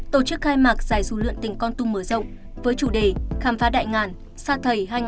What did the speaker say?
tổ chức khai mạc giải du lượn tỉnh con tum mở rộng với chủ đề khám phá đại ngàn sa thầy hai nghìn hai mươi bốn